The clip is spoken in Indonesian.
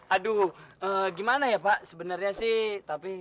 aduh gimana ya pak sebenarnya sih tapi